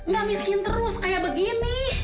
gak miskin terus kayak begini